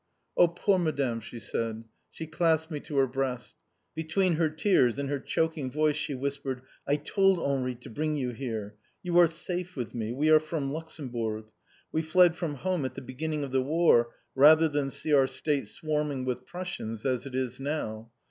"Oh, poor Madame!" she said. She clasped me to her breast. Between her tears, in her choking voice she whispered, "I told Henri to bring you here. You are safe with me. We are from Luxemburg. We fled from home at the beginning of the war rather than see our state swarming with Prussians, as it is now.